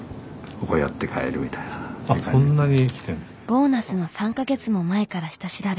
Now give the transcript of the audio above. ボーナスの３か月も前から下調べ。